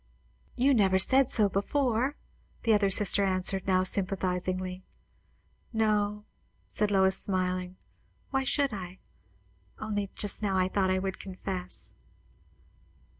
"You never said so before," the other sister answered, now sympathizingly. "No," said Lois, smiling; "why should I? Only just now I thought I would confess."